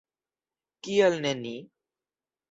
Kial ne ni?